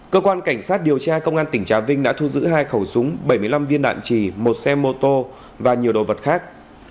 cơ quan cảnh sát điều tra công an tỉnh trà vinh đã thu giữ hai khẩu súng bảy mươi năm viên đạn trì một xe mô tô và nhiều đồ vật khác